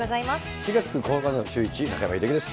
４月９日のシューイチ、中山秀征です。